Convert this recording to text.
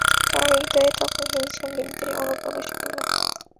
তার হৃদয়ে তখন হিংসা-বিদ্বেষ অনুপ্রবেশ করল।